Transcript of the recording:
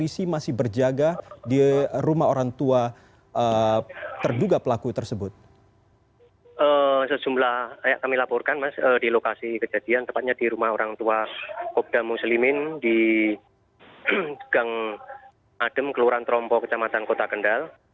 seperti yang tepatnya di rumah orang tua kodim muslimin di gang adem kelurahan trompo kecamatan kota kendal